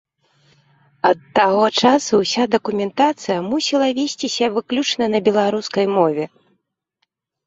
Ад таго часу ўся дакументацыя мусіла весціся выключна на беларускай мове.